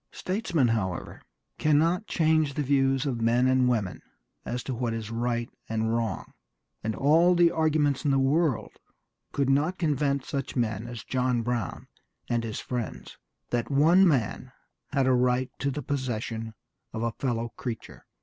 Statesmen, however, cannot change the views of men and women as to what is right and wrong, and all the arguments in the world could not convince such men as John Brown and his friends that one man had a right to the possession of a fellow creature.